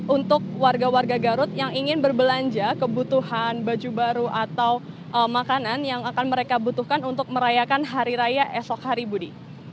untuk warga warga garut yang ingin berbelanja kebutuhan baju baru atau makanan yang akan mereka butuhkan untuk merayakan hari raya esok hari budi